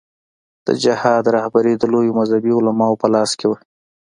د جهاد رهبري د لویو مذهبي علماوو په لاس کې وه.